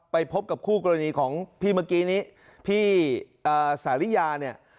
ไปพบกับคู่กรณีของพี่เมื่อกี้นี้พี่สาริยาเนี่ย